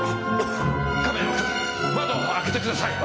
亀山君窓を開けてください！